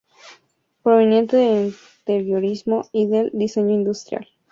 Proveniente del interiorismo y del diseño industrial.